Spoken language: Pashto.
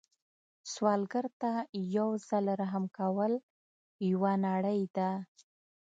سوالګر ته یو ځل رحم کول یوه نړۍ ده